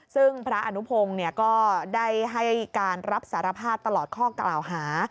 ซึ่งพระอนุพงศ์ก็ได้ให้การรับสารภาพตลอดข้อกล่าวหา